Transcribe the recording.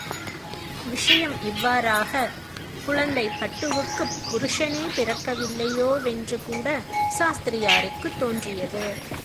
விஷயம் இவ்வாறாகக் குழந்தை பட்டுவுக்குப் புருஷனே பிறக்கவில்லையோவென்று கூடச் சாஸ்திரியாருக்குத் தோன்றியது.